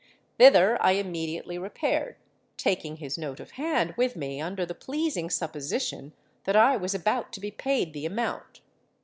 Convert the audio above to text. Thither I immediately repaired, taking his note of hand with me under the pleasing supposition that I was about to be paid the amount.